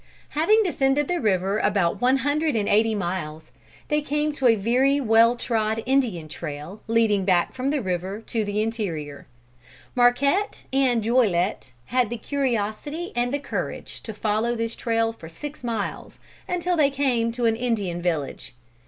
Having descended the river about one hundred and eighty miles, they came to a very well trod Indian trail leading back from the river into the interior. Marquette and Joliete had the curiosity and the courage to follow this trail for six miles, until they came to an Indian village.